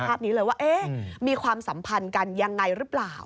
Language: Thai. ภาพนี้เลยว่ามีความสัมพันธ์กันยังไงหรือเปล่า